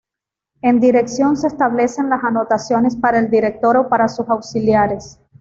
En dirección se establecen las anotaciones para el director o para sus auxiliares.